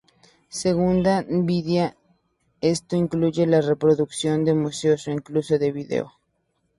Según Nvidia, esto incluye la reproducción de música o incluso de video.